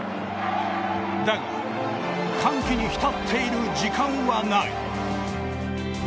だが、歓喜に浸っている時間はない。